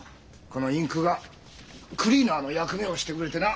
このインクがクリーナーの役目をしてくれてな。